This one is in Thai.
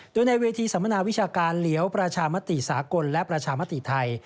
โดยในเวทีสัมมนาวิชาการเหลียวประชามติสากลและประชามติไทย